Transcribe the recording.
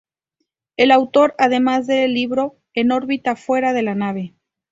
Es autor además del libro "En órbita fuera de la nave".